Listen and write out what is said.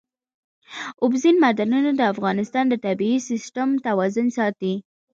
اوبزین معدنونه د افغانستان د طبعي سیسټم توازن ساتي.